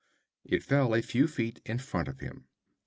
It fell a few feet in front of him.